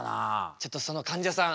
ちょっとそのかんじゃさん